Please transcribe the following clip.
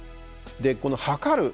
でこの測る。